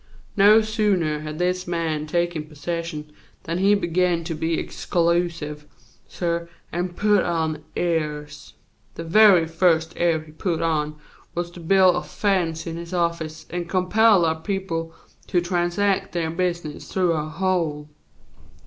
No sooner had this man taken possession than he began to be exclusive, suh, and to put on airs. The vehy fust air he put on was to build a fence in his office and compel our people to transact their business through a hole.